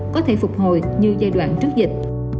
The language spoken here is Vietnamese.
có thể phục hồi như giai đoạn trước dịch